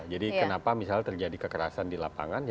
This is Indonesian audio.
jadi kenapa misalnya terjadi kekerasan di lapangan